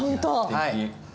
はい。